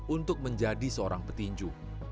untuk menjadi seorang petinju